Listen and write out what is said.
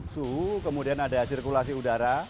suhu kemudian ada sirkulasi udara